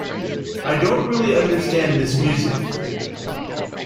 I don't really understand this music.